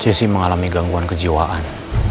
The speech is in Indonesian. jessi mengalami gangguan kejiwaan